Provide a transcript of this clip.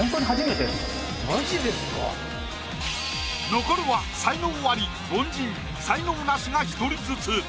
残るは才能アリ凡人才能ナシが１人ずつ。